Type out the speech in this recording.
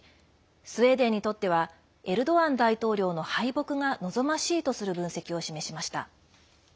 スウェーデンにとってはエルドアン大統領の敗北が望ましいとする分析を示しました。